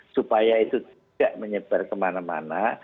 supaya itu tidak menyebar kemana mana